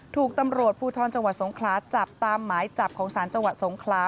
ถูกตำรวจภูทรจังหวัดสงขลาจับตามหมายจับของศาลจังหวัดสงขลา